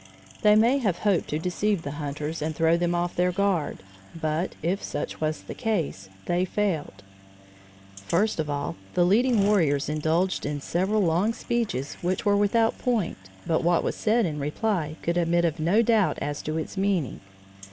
They may have hoped to deceive the hunters and throw them off their guard, but, if such was the case, they failed. First of all, the leading warriors indulged in several long speeches which were without point, but what was said in reply could admit of no doubt as to its meaning.